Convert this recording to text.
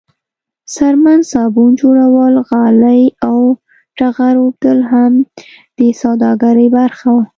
څرمن، صابون جوړول، غالۍ او ټغر اوبدل هم د سوداګرۍ برخه وه.